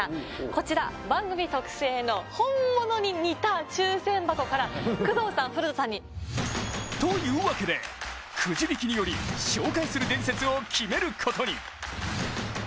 こちら、番組特製の本物に似た抽選箱から工藤さん、古田さんに。というわけで、くじ引きにより紹介する伝説を決めることに。